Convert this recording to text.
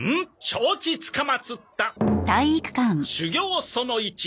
承知つかまつった。